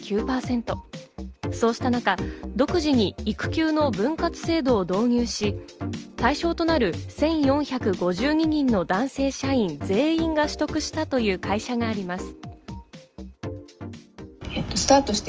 そうした中、独自に育休の分割制度を導入し、対象となる１４５２人の男性社員全員が取得したという会社があります。